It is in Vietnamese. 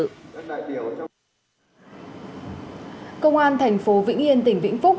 công an thành phố vĩnh yên tỉnh vĩnh phúc